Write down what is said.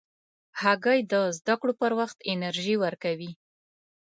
هګۍ د زده کړو پر وخت انرژي ورکوي.